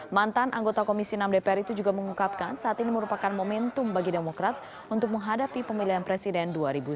mantan anggota komisi enam dpr itu juga mengungkapkan saat ini merupakan momentum bagi demokrat untuk menghadapi pemilihan presiden dua ribu sembilan belas